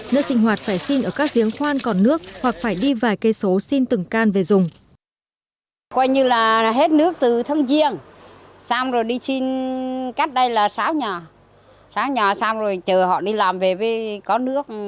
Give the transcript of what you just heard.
nước sinh hoạt phải xin ở các giếng khoan còn nước hoặc phải đi vài cây số xin từng can về dùng